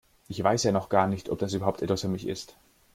Ich weiß ja noch gar nicht, ob das überhaupt etwas für mich ist.